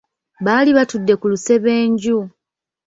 Baali batudde ku lusebenju.